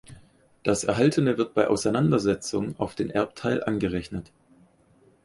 Das Erhaltene wird bei Auseinandersetzung auf den Erbteil angerechnet.